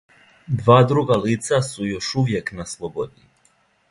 Два друга лица су још увијек на слободи.